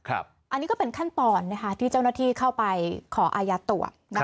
อันนี้ก็เป็นขั้นตอนที่เจ้าหน้าที่เข้าไปขออายัดตัว